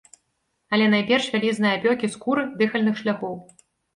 Але найперш вялізныя апёкі скуры, дыхальных шляхоў.